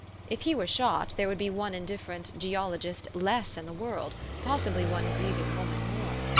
If he were shot, there would be one indifferent geologist less in the world, possibly one grieving woman more.